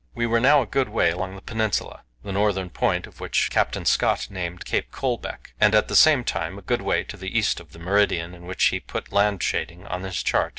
We were now a good way along the peninsula, the northern point of which Captain Scott named Cape Colbeck, and at the same time a good way to the east of the meridian in which he put land shading on his chart.